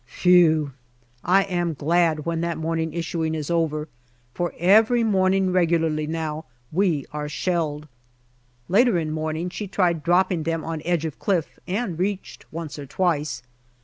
Phew ! I am glad when that morning issuing is over, for every morning regularly now we are shelled. Later in morning, she tried dropping them on edge of cliff, and reached once or twice.